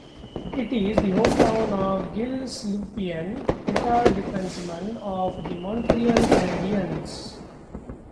It is the hometown of Gilles Lupien, retired defenceman of the Montreal Canadiens.